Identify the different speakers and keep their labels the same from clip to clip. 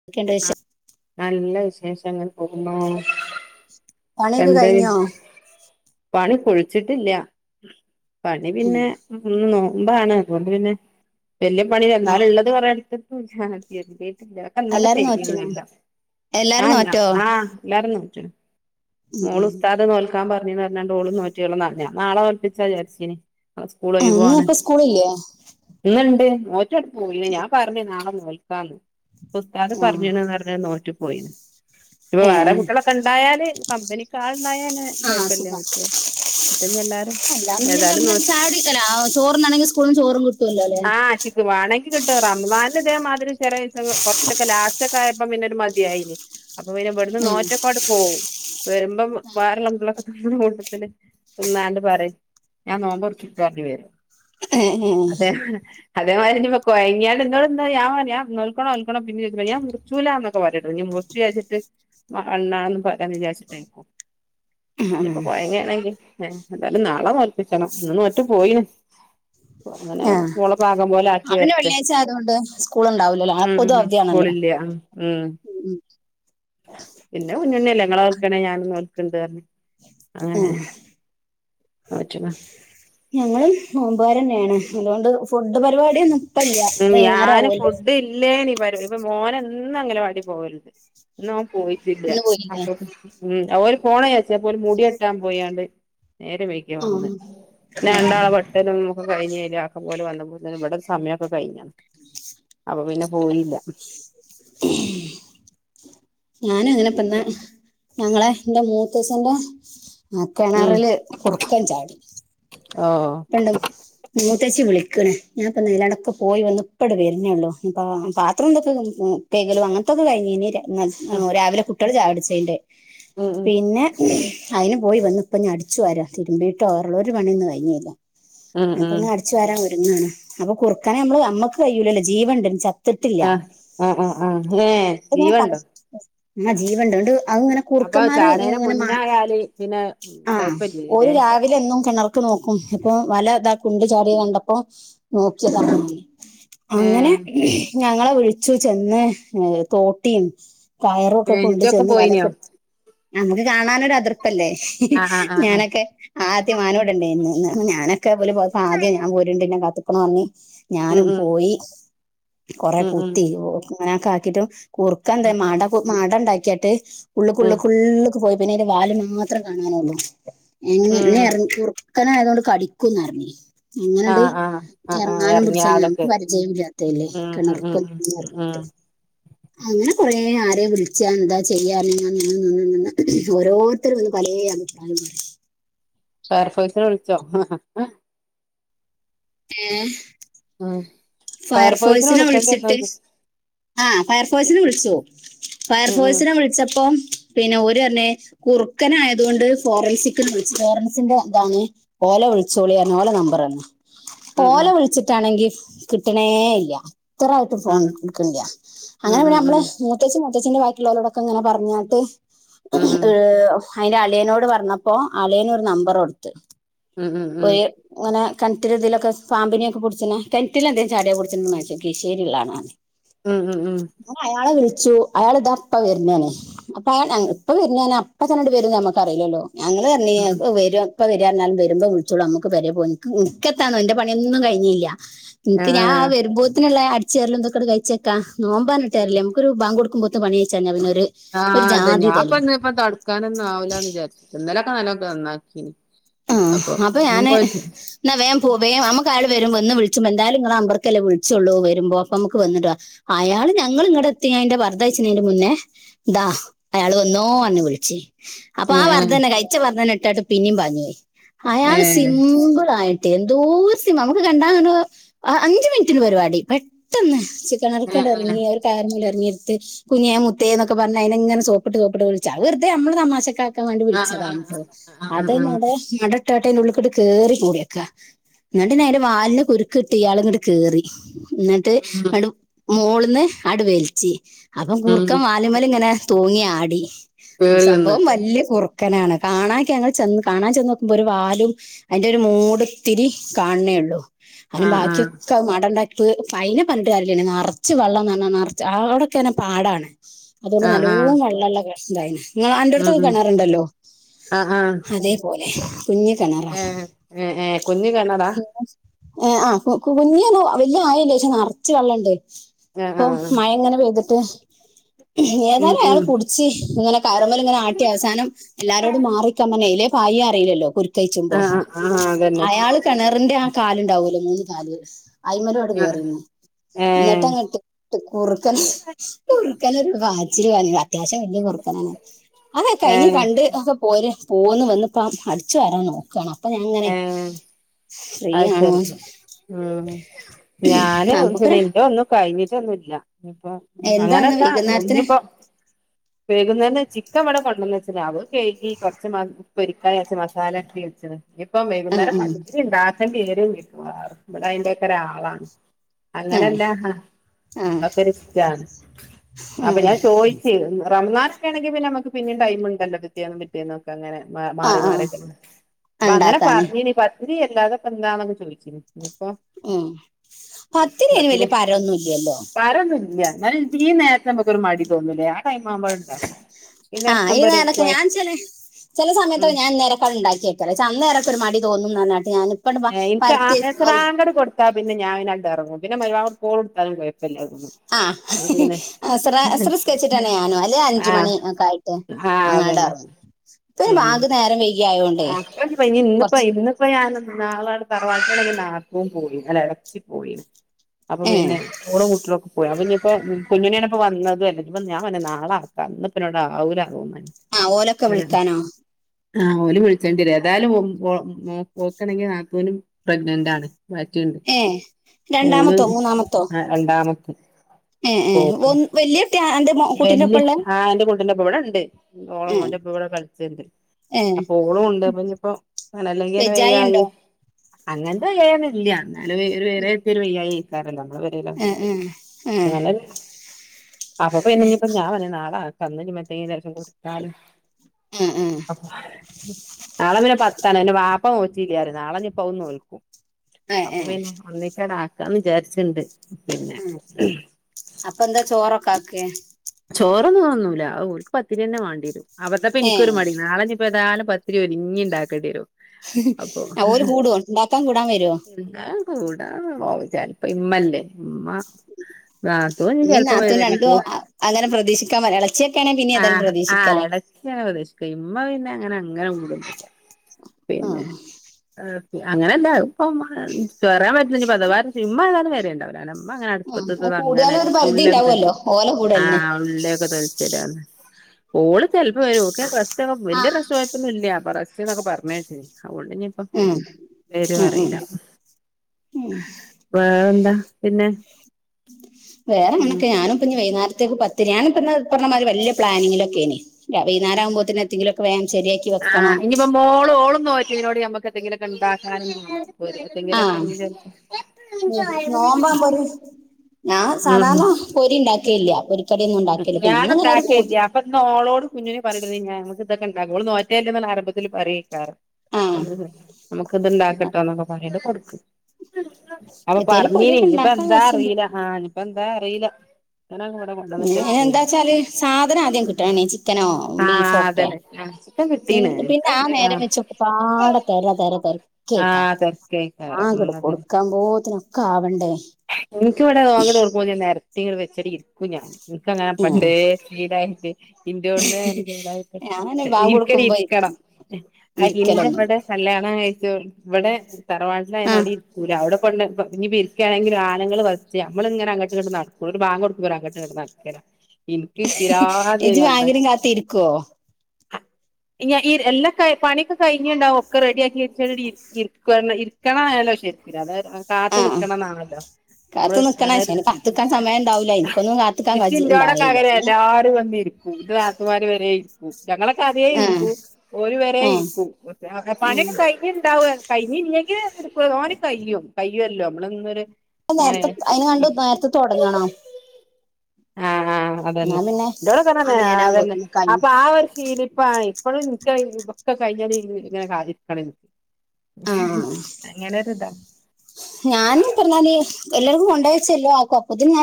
Speaker 1: എന്തക്കേണ്ട വിശേഷം
Speaker 2: നല്ല വിശേഷങ്ങൾ പോകുന്നു.
Speaker 1: പണിയൊക്കെ
Speaker 2: എന്ത്
Speaker 1: കഴിഞ്ഞോ?
Speaker 2: പണി പൊഴിച്ചിട്ടില്ല പണി പിന്നെ
Speaker 1: ഉം
Speaker 2: ഒന്നു നോ നോമ്പാണ് അതുകൊണ്ട് പിന്നെ വലിയ പണിൽ
Speaker 1: ആ
Speaker 2: എന്നാല ഉള്ളത് കുറ എടുത്തട്ടതി [unintelligible] ക്കെ നല്ല
Speaker 1: എല്ലാരും
Speaker 2: സേവ
Speaker 1: നോറ്റിനോ
Speaker 2: എല്ലാം
Speaker 1: എല്ലാരും
Speaker 2: ആല്ല
Speaker 1: നോറ്റോ
Speaker 2: ആഹ് എല്ലാരും മുറ്റ്
Speaker 1: ഉം
Speaker 2: മോള്
Speaker 1: ഉം
Speaker 2: ഉസ്താദ് നോൽക്കാൻ പറഞ്ഞന്ന് പറഞ്ഞാണ്ട് മോളും നോറ്റിയള്ളഞ്ഞാ നാളെ തോൽപ്പിച്ചാ ജാർസിനെ ആ സ്കൂൾ വഴി
Speaker 1: ഇന്ന്
Speaker 2: പോവാണ്.
Speaker 1: ഇപ്പൊ സ്കൂളില്ലേ
Speaker 2: ഇന്ന്ണ്ട് പോയി ഞാൻ പറഞ്ഞ നാളെ നോൽക്കാന്ന്. ഉസ്താദ്‌
Speaker 1: ആ
Speaker 2: പറഞ്ഞന്ന് പറഞ്ഞ നോറ്റു പോയിന്ന്. ഇപ്പൊ
Speaker 1: ഏ
Speaker 2: വേറെ കുട്ടികളൊക്കെ ഉണ്ടായാല് കമ്പനിക്ക് ആൾണ്ടായാന്
Speaker 1: ആ
Speaker 2: കൊഴപ്പില്ലേ
Speaker 1: സുഖം
Speaker 2: മക്ക ഇടപ്പന്ന എല്ലാരും
Speaker 1: അല്ലാന്നുണ്ടെങ്കിൽ
Speaker 2: ഏതായാലും നോ
Speaker 1: നമ്മള് ചായ കുടിക്കലാ ചോറുണ്ണാണെങ്കിൽ സ്കൂളിൽ നിന്ന് ചോറും കിട്ടുമല്ലോ അല്ലേ
Speaker 2: ആച്ചിക്ക് വാണക്ക് കിട്ടും റമദാൻ അ ഇതേ മാതിരി ചെറിയ ദിവസം കുറച്ചൊക്കെ ലാസ്റ്റ് ഒക്കെ ആയപ്പം പിന്നെ ഒരു മതിയായിന് അപ്പൊ പിന്നെ ഇവിടുന്ന്
Speaker 1: ഉം
Speaker 2: നോറ്റക്കോടെ പോവും. വരുമ്പം വറല്ലണ്ടള്ള കൂട്ടത്തിന് ഒന്നാണ്ട് പറയും ഞാൻ നോമ്പോറചിട്ട [unintelligible] വരും
Speaker 1: ആ
Speaker 2: അതേ മാതിരിപാ കൊയങ്ങ നിങ്ങലെന്താ ഞാ പറയാ [unintelligible] വച്ചിട്ട് അണ്ണന്ന് പറ ന്ന് വിചാരിച്ചിട്ടായിക്ക ഇപ്പൊ കോയങ്ങണെങ്കിൽ എന്തായാലും നാളെ മർപ്പിച്ചണം ഇന്ന് നോറ്റു പോയിന അങ്ങനെ
Speaker 1: ആ ആ
Speaker 2: മോളെ പാഗം പോലെ
Speaker 1: ആ
Speaker 2: ആക്കി
Speaker 1: പിന്നെ
Speaker 2: വരട്ടെ.
Speaker 1: വെള്ളിയാഴ്ച ആയതുകൊണ്ട് സ്കൂൾ ഉണ്ടാവൂലല്ലോ നാളെ
Speaker 2: മം
Speaker 1: പൊതു
Speaker 2: മം
Speaker 1: അവധിയാണല്ലോ
Speaker 2: സ്കൂളില്ല. ആ ഉം
Speaker 1: ഉം
Speaker 2: പിന്നെ [unintelligible] ണിയല്ലേ ങ്ങളെ ൽക്കണേ ഞാനൊന്ന ൽക്കണ്ട് പറഞ്ഞ അങ്ങനെ,
Speaker 1: ഉം ആ
Speaker 2: മറ്റ
Speaker 1: ഞങ്ങളും നോമ്പുകാര് തന്നെയാണ് അതുകൊണ്ട് ഫുഡ് പരിപാടിയൊന്നും ഇപ്പ ഇല്ല
Speaker 2: മം
Speaker 1: വൈകുന്നേരം
Speaker 2: ഞാന്
Speaker 1: ആവുമല്ലോ
Speaker 2: ഫുഡ് ഇല്ലേ പറര ഇപ്പ മോന എന്ത് ഇന്ന അങ്ങനവാടി പോകരുത്. ഇന്നും അവൻ പോയിട്ടില്ല
Speaker 1: ഇന്ന് പോയില്ലേ
Speaker 2: അപ്പ മം അവ ഒരു [unintelligible] അപ്പൊ ഒരു മുടെട്ടാൻ പോയണ്ട് നേരം വൈഗ്യ വന്ന്,
Speaker 1: ആ
Speaker 2: രണ്ടാളെ ഭക്ഷണക്കെ കഴിഞ്ഞ [unintelligible] പോലെ വന്ന ഇവിട സമയൊക്കെ കഴഞ്ഞാണ് അപ്പൊ പിന്നെ പോയില്ല.
Speaker 1: ഞാനുങ്ങനെപ്പന്ന് ഞങ്ങളെ ന്റെ മൂത്തച്ചന്റെ ആ
Speaker 2: ഉം
Speaker 1: കിണറില് കുറുക്കൻ ചാടി.
Speaker 2: ഓ
Speaker 1: മൂത്തച്ചി വിളിക്ക്ണ് ഞാപ്പന്നയ്ലാണ്ടൊക്കൊ പോയി വന്ന് പ്പട് വര്നെള്ളൂ പാ പാത്രംന്തൊക്കെ [unintelligible] [unintelligible] അങ്ങൻതൊക്കെ കയിഞ്ഞ്
Speaker 2: ഉം
Speaker 1: [unintelligible] രാവിലെ കുട്ടികൾ ചായൊട്ച്ചന്റെ,
Speaker 2: ഉം
Speaker 1: പിന്നെ അയിന് പോയി വന്ന്പ്പോ ഞ് അടിച്ചു വാരാ തരുമ്പിയിട്ടോ വേറൊള്ളരു പണിന്ന് കഴിഞ്ഞില്ല.
Speaker 2: ഉം ഉം
Speaker 1: അപ്പൊ
Speaker 2: ഉം
Speaker 1: അങ്ങനെ അടിച്ചു വരാൻ ഒരുങ്ങാണ് അപ്പൊ കുറുക്കാനേ നമ്മള് നമ്മക്ക് കഴയില്ലല്ലോ ജീവണ്ട് ച ത്ത്ട്ട്ല്ല
Speaker 2: ആഹ് ആഹ് ആഹ് ആഹ് ഏഹ് ജീവണ്ടോ
Speaker 1: [unintelligible] ആ ജീവൻണ്ട് ണ്ട് അത്ങ്ങനെ കുർ
Speaker 2: അപ്പൊ ചാണേന്
Speaker 1: ക്കന്മാര്ങ്ങനെ മാ
Speaker 2: മുന്നായാല് പിന്നെ
Speaker 1: ആ ഓര്
Speaker 2: കൊഴപ്പല്ലേല്ലേ
Speaker 1: രാവിലെന്നും കെണർ ക്ക് നോക്കും ഇപ്പൊ വല താക്കുണ്ട് ചാടിയ കണ്ടപ്പോ നോക്കിയത,
Speaker 2: ആഹ്
Speaker 1: അങ്ങനെ
Speaker 2: ഏഹ്
Speaker 1: ഞങ്ങളെ വിളിച്ചു ചെന്ന് തോട്ടിം കയറൊക്കെ
Speaker 2: ഏഹ്
Speaker 1: കൊണ്ട്
Speaker 2: ഇജൊക്കെ
Speaker 1: ചെന്ന് വല
Speaker 2: പോയിനോ
Speaker 1: കെ നമുക്ക് കാണാനൊരതൃപ്പല്ലേ
Speaker 2: ആഹ് ആഹ് ആഹ് ആഹ്
Speaker 1: ഞാനൊക്കെ ആദ്യ മാനോടണ്ടേന്ന്ന്ന് ഞാനൊക്കെ പോല പോയപ്പോ ആദ്യം ഞാൻ പോരുണ്ട്ന്നെ കത്തിക്കണ വന്ന്,
Speaker 2: ഉം
Speaker 1: ഞാനും
Speaker 2: ഉം
Speaker 1: പോയി കൊറെ
Speaker 2: ഉം ഉം
Speaker 1: കുത്തി അങ്ങനൊക്കെ ആക്കിട്ടും കുർക്കന്ത്‌ മാട മാടണ്ടാക്കിയാട്ട്
Speaker 2: ഉം
Speaker 1: ഉള്ള്ക്കുള്ള്ക്കുള്ള്ക്ക് പോയി പിന്നെ അയിന്റെ വാല് മാത്രം കാണാനുള്ളു എങ്ങനെ
Speaker 2: ഉം ഉം
Speaker 1: [unintelligible] ക്കനായതോണ്ട് കടിക്കുംന്നർഞ് അങ്ങനെയണ്ട്
Speaker 2: ആഹ് ആഹ് ആഹ് ആഹ്
Speaker 1: എറങ്ങാനും
Speaker 2: എറങ്ങിയ
Speaker 1: പിടിച്ചാനൊന്നും നമുക്ക്
Speaker 2: ആലൊക്കെ
Speaker 1: പരിചയം ഇില്ലാത്തല്ലേ
Speaker 2: ഉം ഉം ഉം
Speaker 1: കിണറുക്കും
Speaker 2: ഉം ഉം
Speaker 1: [unintelligible] [inaudible] അങ്ങനെ കുറേ ആരെ വിളിച്ചാ ന്താ ചെയ്യാ [unintelligible] നിന്ന് നിന്ന് നിന്ന് ഓരോരുത്തരും വന്ന് പലേ അബി [unintelligible]
Speaker 2: ഫയർ ഫോഴ്‌സിനെ വിൾച്ചോ
Speaker 1: ഏ
Speaker 2: ഉം ഫയർഫോഴ്സിനെ
Speaker 1: ഫയർഫോഴ്സിന
Speaker 2: വിളിക്കേണ്ടി
Speaker 1: വിളിച്ചിട്ട്
Speaker 2: വന്നോ
Speaker 1: ആ ഫയർഫോഴ്സിനെ വിൾച്ചു
Speaker 2: ഉം ഉം
Speaker 1: ഫയർഫോഴ്സിനെ വിൾച്ചപ്പോം പിന്നെ ഓരർഞ്ഞ് കുറുക്കനായതോണ്ട് ഫോറൻസിക് വിൾച്ച് ഫോറൻസിന്റെ താണ് ഓല ഒളിച്ചോളിയർഞ്ഞ് ഓല നമ്പർന്ന്
Speaker 2: ഉം
Speaker 1: പോലെ വിളിച്ചിട്ടാണെങ്കി കിട്ടണേ ഇല്ല ത്രറായിട്ടും
Speaker 2: ഉം
Speaker 1: ഫോണെട് ക്ക്ണ്ല്ല
Speaker 2: ഉം
Speaker 1: അങ്ങനെ
Speaker 2: ഉം ഉം
Speaker 1: പിന്നമ്മളെ മൂത്തച്ചി മൂത്തച്ചിൻ്റെ ബാക്കിള്ളോലോടൊക്കെങ്ങനെ പറഞ്ഞിയാട്ട്
Speaker 2: ഉം
Speaker 1: ഏ അയിന്റെ അളിയനോട് പറഞ്ഞപ്പോ അളിയനൊരു നമ്പറൊട്ത്ത്
Speaker 2: ഉം ഉം ഉം
Speaker 1: ഒയ്
Speaker 2: ഉം
Speaker 1: ങ്ങനെ കെൻറ്റില് തിലൊക്കെ പാമ്പിനൊക്കെ പുട്ച്ണെ കെൻറ്റിലെന്തേം ചാടിയ പുട്ച്ച്ണെ മൻഷൻ കീശ്ശേരിള്ളാണ്ണ
Speaker 2: ഉം ഉം ഉം ഉം ഉം ഉം
Speaker 1: ങ്ങനയാള വ്ൾ ച്ചു അയാള്താപ്പ വരുന്നാനേ അപ്പൊ അയാ ഇപ്പ വരുന്ന അപ്പ തന്നോട്ട് വരുന്ന നമ്മുക്ക അറിയില്ലല്ലോ ഞങ്ങളർഞ്ഞ് ഇപ്പ വര പ്പ വരാർഞ്ഞാലും വരുമ്പൊ വ്ൾ ച്ചോളും മ്മക്ക് പെരേ പോയ് നിക്ക ൻക്കത്താന്നൊ ന്റെ പണിയൊന്നും കഴിഞ്ഞീല്ല ൻക്ക്
Speaker 2: ഉം
Speaker 1: ഞാ ആ
Speaker 2: ഉം
Speaker 1: വരുമ്പോത്ത്ന്ള്ളെ അട് ച്ചേരലും തൊക്കാണ്ട് കൈച്ചക്ക നോമ്പാർനിട്ടാര്യല്ല മുക്കൊരു ബാങ്കൊട്ക്കുമ്പോത്ത പണി അയ്ച്ചാഞ്ഞ പിന്നൊരു
Speaker 2: ആ അതെ ഞാൻപ്പൊന്ന് പ്പ തൊട്ക്കാനൊന്നും ആവുലാന്ന്ജാര്ച് ന്നലൊക്കെ നല്ലൊക്കെ നന്നാക്കി
Speaker 1: ആ അപ്പൊ ഞാന് ന്നാ വേം പോ വേ അമ്മ പ്പാള് വരും വന്ന് വ്ൾച്ച്മെന്തായാലും ങ്ങളമ്പർക്കല്ലേ വിൾച്ചുള്ളൂ വരുമ്പോ പ്പൊമ്മക്ക് വന്ന്ട്ട അയാള് ഞങ്ങള്ങ്ങട് ത്തി ഞാ ഇന്റെ പർദയ്ച്ച്ണേന്റെ മുന്നേ ദാ അയാള് വന്നോ അർഞ് വ്ൾച്ച് അപ്പൊ ആ
Speaker 2: ഏഹ്
Speaker 1: വർധന കഴിച്ച വർധന ഇട്ടായിട്ട് പിന്നിം പറഞ്ഞു പോയി അയാൾ
Speaker 2: ഏഹ്
Speaker 1: സിംമ്പിൾ ആയിട്ട് എന്തോസ്യം നമുക്ക് കണ്ടാന അഞ്ചു മിനിറ്റിന് പരിപാടി പെട്ടെന്ന് ച
Speaker 2: ഏഹ്
Speaker 1: നക്കണ്ടായിരുന്നു
Speaker 2: ഏഹ്
Speaker 1: ന ഒരു കാര്യമ അെടുത്ത് കുഞ്ഞിയേ മുത്തയ എന്നക്കെ പറഞ്ഞ അതിനെങ്ങെ സോപ്പിട്ട് സോപ്പട്ട് വിിച്ച അവ വറതെ നമ്മള് തമാശക്ക ക്കാൻ വേണ്ടി
Speaker 2: ആഹ്
Speaker 1: വിളിച്ചതാണ് കേട്ടോ
Speaker 2: ആഹ്
Speaker 1: അത്
Speaker 2: ആഹ്
Speaker 1: മടട്ടേട്ടന ഉുള്ളിൽ കിട്ട് കേയറി കൂടിയേക്ക എന്നങ്ങോട്ടന്നെ അ് വാലിന് കുരുക്ക ഇട്ട് ഇയാൾ ങ്ങട്ട് കേറി എന്നിട്ട്
Speaker 2: ആഹ്
Speaker 1: മോളിന്ന് അഡ് വലിച്ചി അപ്പം
Speaker 2: ആഹ് ഉം
Speaker 1: കുർക്കൻ
Speaker 2: ഉം
Speaker 1: വാലിമേൽ ഇങ്ങനെ തൂങ്ങി ആടി ആ
Speaker 2: കേറി വന്ന്
Speaker 1: സംഭവം വലിയ കുറുക്കനാണ് കാണാൻ ഞങ്ങൾ ചെന്ന് കാണാൻ ചെന്ന ഒരു വാലും അതിന്റെ ഒരു മൂട്ത്തിരി കാണണേള്ളൂ അനെ
Speaker 2: ആഹ്
Speaker 1: ബാക്കിയ
Speaker 2: ആഹ്
Speaker 1: ഒക്കെ മാടണ്ടാക്ക ഇപ്പ അയിനെ പറഞ്ഞിട്ട് കാര്യായില്ല നിറച്ച് വള്ളം നിറച്ച് അവിട തന്നെ പാടാണ് അതുകൊണ്ട്
Speaker 2: ആഹ് ആഹ്
Speaker 1: നല്ലവും വെള്ളമുള്ളന്തായിന് നിങ്ങൾ ആൻറ അടുത്തൊക്കെ
Speaker 2: ഉം ഉം
Speaker 1: കിണറുണ്ടല്ലോ
Speaker 2: ആഹ് ആഹ്
Speaker 1: അതേപോലെ കുഞ്ഞി കിണറാ
Speaker 2: ഏഹ് ഏഹ് ഏഹ് കുഞ്ഞ് കിണറാ
Speaker 1: ആ കുഞ്ഞാലോ വല്ല ആയല്ലേ പക്ഷെ നിറച്ച് വെള്ളണ്ട്
Speaker 2: ആഹ്
Speaker 1: ഇപ്പൊ
Speaker 2: ആഹ്
Speaker 1: മഴ എങ്ങനെ പെയ്തിട്ട്
Speaker 2: ഉം
Speaker 1: ഏതായാലും അയാൾ
Speaker 2: ഉം
Speaker 1: പുടിച്ച് ഇങ്ങനെ കയറിൻമേൽ ഇങ്ങനെ ആട്ടി അവസാനം എല്ലാരോടും മാറി നിക്ക പറഞ്ഞു പായി അറിയില്ലല്ലോ കുരുക്കഴിച്ച്പോ
Speaker 2: ആഹ് ആഹ് ആഹ് അതന്നെ
Speaker 1: അയാള് കിണറിന്റെ ആ കാലുണ്ടാവല്ലോ മൂന്ന് അയിമലോട്
Speaker 2: ആഹ്
Speaker 1: കേറീന്ന്
Speaker 2: ഏഹ്
Speaker 1: എന്നിട്ട്ങ്ങട്ട് കുറുക്കൻ കുറുക്കൻ ഒരു പാച്ചിൽ പാഞ്ഞു അത്യാവശ്യം വലിയ കുർക്കനാണ് അതത് കഴിഞ്ഞ്
Speaker 2: ഏഹ്
Speaker 1: കണ്ട് ഒക്കെ പോര് പോന്ന് വന്നപ്പ അ ച്ച് വരാൻ നോക്കയാണ് അപ്പൊ ഞാങ്ങനെ
Speaker 2: ഏഹ് അത് ശരി ഉം ഞാന്
Speaker 1: ആ, നമുക്കൊരു
Speaker 2: എന്റെ ഒന്നും കഴിഞ്ഞിട്ട ട്ടൊന്നുമില്ല ഇപ്പൊ
Speaker 1: എന്താന്ന്
Speaker 2: അങ്ങനല്ല
Speaker 1: വൈകുന്നേരത്തിന്
Speaker 2: ഇനിയിപ്പോ വൈകുന്നേരം ചിക്കൻ ഇവിടെ കൊണ്ട് വെച്ച് റവ കഴുകി കൊറച്ച് മ പൊരിക്കാൻ വിചാച്ച് മസാല ആക്കി വെച്ച്ണ് ഇപ്പം
Speaker 1: ആ,
Speaker 2: വൈകുന്നേം
Speaker 1: ഉം.
Speaker 2: പത്തിരി ഉണ്ടാക്കേണ്ടി വരും മിക്കവാറും ഇബടെ അതിന്റെ ഒക്കെ ഒരാളാണ്
Speaker 1: ആ,
Speaker 2: അങ്ങനല്ല ഹാ
Speaker 1: ആ
Speaker 2: ഒക്കെ ഇഷ്ടാണ് അപ്പൊ
Speaker 1: ഉം.
Speaker 2: ഞാൻ ചോയിച്ച് റമദാ [unintelligible] ൻ ആണെങ്കി പിന്നെ നമുക്ക് പിന്ന ചക്ക ആണെങ്കിൽ പിന്നെ ടൈം ഉണ്ടല്ലോ പിറ്റേന്നും പിറ്റേന്നും ഒക്കെ അങ്ങനെ
Speaker 1: ആ
Speaker 2: മാറി
Speaker 1: ആ
Speaker 2: മാറിയൊക്കെ അങ്ങനെ - അപ്പൊ അങ്ങനെ
Speaker 1: ഉണ്ടാക്കാന്
Speaker 2: പറഞ്ഞീനി പത്തിരി അല്ലാതെ ഇപ്പൊ എന്താണന്നു ചോദിച്ചുനീ ഇപ്പം
Speaker 1: ഉം. പത്തിന് അതിന്
Speaker 2: പത്തിരി
Speaker 1: വലിയ പരമൊന്നും ഇല്ലല്ലോ
Speaker 2: വാറെഒന്നും ഇല്ലേ ഇല്ല എന്നാലും ഇതിലും നേരത്തെ നമുക്ക് ഒരു മടി തോന്നൂല്ലേ ആ ടൈം ആവുമ്പോഴ ഉണ്ടാക്കുക
Speaker 1: ആഹ് ഈ നേരത്ത് ഞാൻ ചില ചെല
Speaker 2: ഉം
Speaker 1: സമയത്തൊക്ക ഞാൻ നേരത്തെ ഉണ്ടാക്കി വെക്കല് അന്നേര - മടി തോന്നും ന
Speaker 2: എനിക്ക് അസ [unintelligible] ർ ബാങ്ക് കൊടുത്താ പിന്നെ ഞാൻ അങ്ങട്ട് ഇറങ്ങും പിന്നെ മഗ്‌രി [unintelligible] ബ് കൊടുത്താനും ഇപ്പ എല്ലാർക്കും ഒന്നും -
Speaker 1: അസറാ അസറ നിസ്കരിച്ചിട്ട് ഞാനും അല്ലെ അഞ്ച്
Speaker 2: ആഹ്
Speaker 1: മണി ഒക്കെ ആയിട്ട്
Speaker 2: ആഹ്
Speaker 1: അങ്ങട്
Speaker 2: അതന്നെ
Speaker 1: - [inaudible]
Speaker 2: ഉം ഓക്കെക്ക ഇന്ന്പ്പോ
Speaker 1: കുറച്ച്
Speaker 2: ഇന്നിപ്പോ ഞാൻ - നാളെയാണ് തറവാട്ടിന്ന് നാത്തൂൻ പോയി അല്ല ഇളച്ചി പോയിന്ന് അപ്പൊ
Speaker 1: ഏ
Speaker 2: പിന്നെ ഓട കുട്ടിളൊക്കെ പോയി അവന് - ഇപ്പ കുഞ്ഞുണ്ണിയാണ് ഇപ്പൊ വന്നത് അല്ലെങ്കി പിന്നെ ഞാൻ പറഞ്ഞു നാളെ ആക്കാം ഇന്ന് ഇപ്പൊ എന്നോട് ആകൂല തോന്നതെ
Speaker 1: ആ ഓലൊക്കെ വിളിക്കാനോ
Speaker 2: ആഹ് ഓലും വിളിച്ചേണ്ടിര ഏതാലും ഓ മോ പോക്കണമെങ്കിൽ നാത്തൂനും പ്രഗ്നന്റ് ആണ് മാറ്റി ഇണ്ട്
Speaker 1: ഏ
Speaker 2: ഓള്
Speaker 1: രണ്ടാമത്തോ മൂന്നാമത്തോ
Speaker 2: രണ്ടാമത്തെ
Speaker 1: ഏ ഏ
Speaker 2: ഓക്കേ
Speaker 1: വലിയ കുട്ടിയാ- അന്റെ മോ- കുട്ടീന്റെ
Speaker 2: എല്ല്
Speaker 1: ഒപ്പം ഉള്ള
Speaker 2: ആ എന്റെ കൂട്ടിന്റെ ഇപ്പ ഇവിടെ ഉണ്ട് ഓള്
Speaker 1: ഏ
Speaker 2: അവന്റെ ഉപ്പ ഇവിടെ കളിച്ചുണ്ട്
Speaker 1: ഏ
Speaker 2: അപ്പൊ ഓള ഉണ്ട് പിന്നിപ്പോ അല്ലെങ്കി-
Speaker 1: വെജായി ഉണ്ടോ
Speaker 2: അങ്ങനത്തെ വയ്യാഴ്ക ഒന്നും ഇല്ല എന്നാലും വേ വേറെത്തി ഒരു വയ്യാഴ്ക കഴക്കാറോ വരുവല്ലോ
Speaker 1: ഏ ഏ ഏ
Speaker 2: നാളെ അപ്പൊ പിന്നെ ഇനി ഞാൻ വേണോങ്കി നാളെ ആക്കാം ഇന്ന് ഇനി മറ്റേത് ലേശം കൊടുത്താലൊ
Speaker 1: ഏ
Speaker 2: നാളെ പിന്നെ പത്താണ് എന്റെ വാപ്പ- ഉപ്പ നോറ്റിയില്ലാരുന്നു അവൻ ഇപ്പോ അതും നോൽക്കും
Speaker 1: ഏ ഏ
Speaker 2: അപ്പൊ
Speaker 1: ഏ
Speaker 2: പിന്നെ ഒന്നിച്ച് അങ്ങട് ആക്കാന്ന് വിചാരിച്ചിട്ടുണ്ട്
Speaker 1: ഉം അപ്പെന്താ ചോറൊക്കെ ആക്കേ?
Speaker 2: ചോറൊന്നും തിന്നൂല. അഹ്ഓൽക്ക് പത്തിര്യന്നെ വേണ്ടിയേരും. അവർടെപ്പം
Speaker 1: ഏ
Speaker 2: ഇൻക്കൊരു മടി നാളെ ഇഞിപ്പോ ഏതാലും പത്തിരി ഒരുങ്ങി ഉണ്ടാക്കണ്ട്യേരും.
Speaker 1: ഓല് കൂടോ? ഉണ്ടാക്കാൻ കൂടാൻ വരോ?
Speaker 2: കൂടാൻ ഓല് ചെൽപം ഇമ്മല്ലേ ഇമ്മ നാത്തൂൻ ഞ്
Speaker 1: ഇനി
Speaker 2: ചെൽപ്പം വെ
Speaker 1: നാത്തൂൻ രണ്ടും
Speaker 2: വെരേക്കും
Speaker 1: അങ്ങനെ പ്രതീക്ഷിക്കാൻ പറയാ ഇളച്ചിയൊക്കെ ആണെ പിന്നെ ഏതായാലും
Speaker 2: ആഹ് ആഹ്
Speaker 1: പ്രതീക്ഷിക്കലാ
Speaker 2: എളച്ച്യാണ് [unintelligible] ഇമ്മ പിന്നെ അങ്ങനെ അങ്ങനെ കൂടൊന്നില്ല
Speaker 1: ഉം
Speaker 2: പിന്നെ [unintelligible] അങ്ങനെല്ല ഇപ്പം മ്മ ചൊ റ്യാൻ പറ്റൂല ഞി പദവാറ്റം ചി മ്മ എതാലും വരെണ്ടാവൂല കാര്ണം ഇമ്മ അങ്ങനെ
Speaker 1: ഉം
Speaker 2: അടുപ്പത്തത്തത് അങ്ങനെ,
Speaker 1: കൂടിയാലും ഒരു പരിധി
Speaker 2: തുള്യൊക്കെ തൊല്ച്ച്
Speaker 1: ഉണ്ടാവുമല്ലോ ഓല കൂടലിന്
Speaker 2: ആഹ് ഉള്ളിയൊക്കെ തൊൽച്ചരാന്ന് ഓള് ചെൽപ്പം വരും. ഓക്കയ്ന് റെസ് റ്റാ വല്യ റസ്റ്റ കൊയപ്പൊന്നു ഇല്ല്യാ. അപ്പ റസ്റ്റ് ന്നൊക്കെ പർഞ്ഞേട്ടിനി അതോണ്ട് ഇഞ് ഇപ്പം
Speaker 1: ഉം
Speaker 2: വെരോ
Speaker 1: ഉം ഉം
Speaker 2: അറീല്ല.
Speaker 1: ഉം
Speaker 2: വേറെന്താ പിന്നെ
Speaker 1: വേറെ
Speaker 2: ഉം
Speaker 1: ഇങ്ങനൊക്കെ ഞാനുംപ്പഞ്ഞ് വൈന്നാര ത്തേക്ക് പത്തിരി. ഞാനും പ്പ ന്ന് പർഞ്ഞ മായ്രി വല്യ പ്ലാനിങ്ങിലൊക്കേനി. വെയ്ന്നാരാവുമ്പോത്തിന് എത്തെങ്കിലൊക്കെ വേൻ
Speaker 2: ആഹ് ഇഞ്ഞിപ്പോ മോളു ഓളും നോറ്റയ്നോട് ഞമ്മക്ക് എത്തെങ്കിലൊക്കെ ഉണ്ടാക്കാനും പൊര്യോ
Speaker 1: ആ
Speaker 2: എത്തെങ്കിലൊക്കെ
Speaker 1: നോമ്പാകുമ്പോ ഒരു ഞാൻ സാധാരണ പൊരി ഉണ്ടാക്കേല്ല
Speaker 2: ഞാനും ഉണ്ടാക്കേല്ല്യ. അപ്പൊ ഇന്ന് ഓളോട് കുഞ്ഞുണ്ണി പറിണ്ടെടി ഞമക്ക് ഇതൊക്കെണ്ടാക് ഓള് നോറ്റേല്ലന്ന്ള്ള ആരംഭത്തിൽ പറയേക്കാരം.
Speaker 1: ആഹ്
Speaker 2: അത് ന്ന്. നമുക്ക് ഇത്ണ്ടാക്കട്ടോന്നൊക്കെ പറയല് അപ്പൊ
Speaker 1: എന്തേലും
Speaker 2: പർഞ്ഞിനി
Speaker 1: പൊരിയൊക്കെ
Speaker 2: ഇഞിപ്പ
Speaker 1: ഉണ്ടാക്കാൻ
Speaker 2: എന്താ അറീ
Speaker 1: വിചാരിച്ചിണ്ട്
Speaker 2: ല്ല ആഹ് ഇഞി പ്പ എന്താ അറീല്ല. [unintelligible] ഇവിടെ കൊണ്ടന്നച്
Speaker 1: അയ്ന് എന്താച്ചാല് സാധനം ആദ്യം കിട്ടണം. ന് ചിക്കനോ ബീഫോ
Speaker 2: ആഹ്
Speaker 1: ഒക്കെ.
Speaker 2: അതന്നെ ചിക്കൻ
Speaker 1: പിൻ
Speaker 2: കിട്ടീണ്
Speaker 1: പിന്നെ
Speaker 2: ചിക്കൻ
Speaker 1: ഞാ
Speaker 2: ഉണ്ട്
Speaker 1: നേരം
Speaker 2: ആഹ്
Speaker 1: വെച്ചൊക്കപ്പാടെ തെര തെര തെര്ക്കേക്കാ.
Speaker 2: ആഹ് തെരക്കേക്കാരം
Speaker 1: ബാങ്ക്
Speaker 2: ഉം
Speaker 1: ട്
Speaker 2: അതെ
Speaker 1: കൊടുക്കാൻ പോ ത്തിനൊക്കെ ആവണ്ടേ
Speaker 2: എനിക്കിവിടെ അങ്ങട്ട് [unintelligible] നെരത്തി ഇങ്ങട്ട് വെച്ചിരിക്കും ഞാൻ നിനക്കങ്ങനെ
Speaker 1: ഏഹ്
Speaker 2: പണ്ടേ ശീലായിട്ട്
Speaker 1: ഞാന്
Speaker 2: [unintelligible]
Speaker 1: ബാങ്ക്
Speaker 2: ഇരിക്കണം
Speaker 1: കൊടുക്കുമ്പോ
Speaker 2: ഇരിക്കണം ഹരീന്റെ
Speaker 1: ഇരിക്കലൊന്നുല്ല
Speaker 2: അവിടെ കല്യാണം കഴി ച്ച് ഇവിടെ തറവാട്ടിലായിരുന്നു
Speaker 1: ആഹ്
Speaker 2: അവിടെ ഇരിക്കൂല അവിടെ കൊണ്ടെ ഇനിയിപ്പോ ഇരിക്കയാണെങ്കിലും ആ ണുങ്ങള് [unintelligible] നമ്മള് ഇങ്ങനെ അങ്ങോട്ടും ഇങ്ങോട്ടും നടക്കും ഓര് ബാങ്ക് [unintelligible] അങ്ങോട്ടും ഇങ്ങോട്ടും നടക്കുവേല
Speaker 1: ഇത് [unintelligible] കാത്തിരിക്കുവോ
Speaker 2: ഞ ഈ എല്ലാം പണിയൊക്കെ കഴിഞ്ഞുണ്ടാവും ഒക്കെ റെഡിയാക്കി വെച്ച് ഇവിടെ ഇരിക്കു ഇരിക്കണോ ആലോചിച്ചു [unintelligible] അത് കാത്ത്
Speaker 1: ആഹ്
Speaker 2: നിക്കണോന്നാണല്ലോ
Speaker 1: കാത്തു
Speaker 2: നമ്മള്
Speaker 1: നിക്കണം പക്ഷെ അയിന് കാത്ത്ക്കാൻ സമയം ഉണ്ടാവൂല എനിക്കൊന്നും കാത്ത്ക്കാൻ
Speaker 2: എനിക്ക്
Speaker 1: കജ്ജ്
Speaker 2: എന്റെ അവിടെ
Speaker 1: ഇണ്ടാവേല്ല
Speaker 2: കരേലെ എല്ലാവരും വന്ന് ഇരിക്കും രാക്കുമാര് വരെ ഇരിക്കും ഞങ്ങളൊക്കെ അതേ
Speaker 1: ഏഹ്
Speaker 2: ഇരിക്കും ഓര് വരേ
Speaker 1: ഉം
Speaker 2: ഇരിക്കും
Speaker 1: ഉം
Speaker 2: പണിയൊക്കെ കഴിഞ്ഞിട്ടുണ്ടാവും കഴിഞ്ഞില്ലെങ്കിൽ [unintelligible] കയ്യും കയ്യുമല്ലോ നമ്മള് ഇന്നൊരു
Speaker 1: നേരത്തെ അയിന് കണ്ട് നേരത്തെ തുടങ്ങണം
Speaker 2: ആഹ് ആഹ് അത് തന്നെ ഇതോടെ [unintelligible]
Speaker 1: ആ
Speaker 2: അത് തന്നെ
Speaker 1: നേരാവുമ്പോത്തിന് കയ്യും
Speaker 2: അപ്പൊ ആ ഒരു ഫീല് ഇപ്പോ ആയി അപ്പോ അത് എനിക്കായി ഇതൊക്കെ കഴിഞ്ഞാലും
Speaker 1: ആ
Speaker 2: [unintelligible] അങ്ങനെ ഒരിതാ
Speaker 1: ഞാന് [unintelligible] എല്ലാവർക്കും കൊണ്ട് വച്ചല്ലോ അപ്പത്തേനും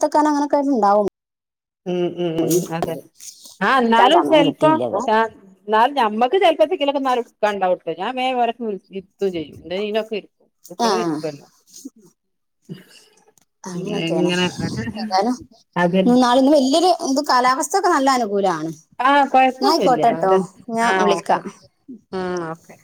Speaker 1: [unintelligible]
Speaker 2: ഉം ഉം ഉം അതെ ആ
Speaker 1: ഇരിക്കാൻ
Speaker 2: എന്നാലും
Speaker 1: സമയം
Speaker 2: സ്വല്പം
Speaker 1: കിട്ടിയില്ല ഇത്
Speaker 2: [unintelligible] നമ്മക്ക് ചിലപ്പത്തക്കിലൊക്കെ [unintelligible] വേഗം അവരെയൊക്കെ വിളിച്ച് എന്ത് ചെയ്യും എന്താ നീനൊക്കെ ഇരിക്കും
Speaker 1: ആ
Speaker 2: ഇപ്പളും ഇരിക്കുവല്ലോ അങ്ങനെ
Speaker 1: അങ്ങനെയൊക്കെയാണോ
Speaker 2: ഇങ്ങനെ
Speaker 1: ഏതായാലും
Speaker 2: അതന്നെ
Speaker 1: ഇന്നും നാളെയൊന്നും വല്ല്യ ഇത് കാലാവസ്ഥയൊക്കെ നല്ല അനുകൂലവാ
Speaker 2: ആഹ്
Speaker 1: എന്നാ
Speaker 2: കൊഴപ്പൊന്നുല്ല
Speaker 1: ആയിക്കോട്ടെ കേട്ടോ
Speaker 2: അതന്നെ
Speaker 1: ഞാൻ
Speaker 2: ആഹ് ഓക്കെ
Speaker 1: വിളിക്കാം
Speaker 2: ആഹ് ഓക്കെ